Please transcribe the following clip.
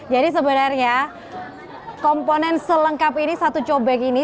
jadi sebenarnya komponen selengkap ini satu cobek ini